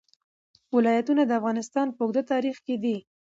ولایتونه د افغانستان په اوږده تاریخ کې دي.